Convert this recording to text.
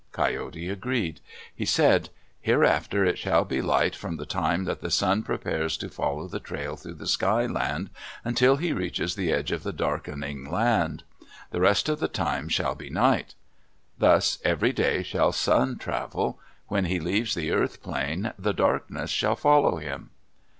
Coyote agreed. He said, "Hereafter it shall be light from the time that the sun prepares to follow the trail through the Sky Land until he reaches the edge of the Darkening Land. The rest of the time shall be night. Thus every day shall Sun travel. When he leaves the Earth Plain, the darkness shall follow him."